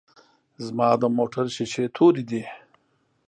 ځما دموټر شیشی توری دی.